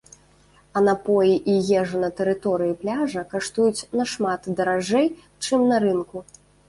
А напоі і ежа на тэрыторыі пляжа каштуюць нашмат даражэй, чым на рынку.